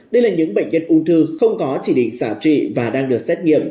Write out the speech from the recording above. đây là những bệnh nhân ung thư không có chỉ định xả trị và đang được xét nghiệm